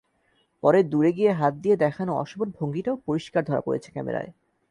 পরে দূরে গিয়ে হাত দিয়ে দেখানো অশোভন ভঙ্গিটাও পরিষ্কার ধরা পড়েছে ক্যামেরায়।